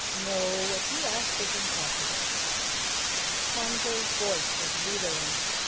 No, what you ask is impossible." Conjo's voice was wheedling.